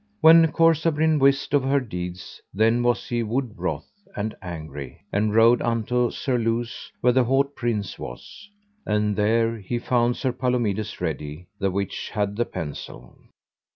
When Corsabrin wist of her deeds then was he wood wroth and angry, and rode unto Surluse where the haut prince was, and there he found Sir Palomides ready, the which had the pensel.